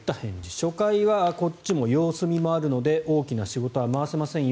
初回はこっちも様子見もあるので大きな仕事は回せませんよ